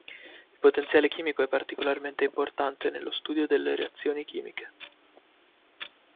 Il potenziale chimico è particolarmente importante nello studio delle reazioni chimiche.